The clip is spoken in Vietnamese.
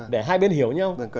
để hai bên hiểu nhau